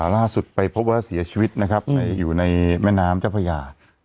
ล่าสุดไปพบว่าเสียชีวิตนะครับอยู่ในแม่น้ำเจ้าพระยา